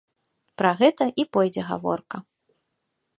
Пра гэта і пойдзе гаворка.